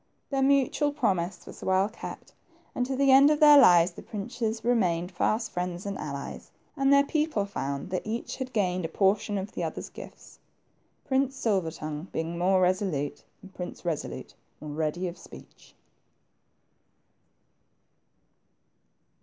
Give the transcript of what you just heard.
Their mutual promise was well kept, and to the end of their lives the princes remained fast friends and allies, and their people found that each had gained a portion of the other's gift. Prince Silver tongue being more resolute, and Prince Kesolute more ready of speech.